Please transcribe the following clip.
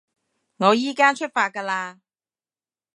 我依加出發㗎喇